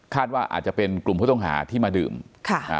ว่าอาจจะเป็นกลุ่มผู้ต้องหาที่มาดื่มค่ะอ่า